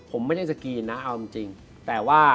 ผมไม่ได้สกรีนนะเอาจริงแต่ว่า